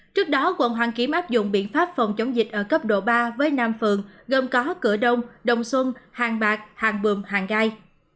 trước đó quận hoàn kiếm áp dụng biện pháp phòng chống dịch ở cấp độ ba với năm phường gồm có cửa đông đồng xuân hàng bạc hàng bướm hàng gai